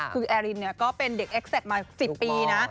คือแอรินก็เป็นเด็กเอ็กเซตมา๑๐ปีนะ